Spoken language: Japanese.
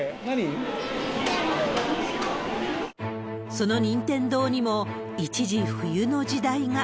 その任天堂にも、一時、冬の時代が。